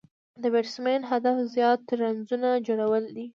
د بېټسمېن هدف زیات رنزونه جوړول دي.